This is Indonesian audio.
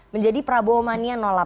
menjadi prabowo mania delapan